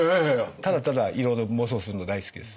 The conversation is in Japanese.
ただただいろいろ妄想するの大好きですよ。